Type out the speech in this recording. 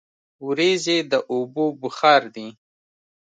وریځې د اوبو بخار دي.